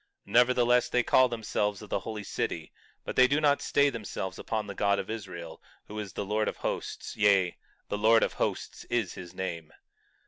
20:2 Nevertheless, they call themselves of the holy city, but they do not stay themselves upon the God of Israel, who is the Lord of Hosts; yea, the Lord of Hosts is his name.